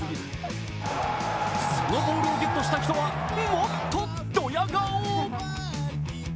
そのボールをゲットした人はもっとどや顔。